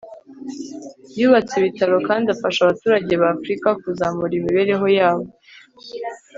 yubatse ibitaro kandi afasha abaturage ba afrika kuzamura imibereho yabo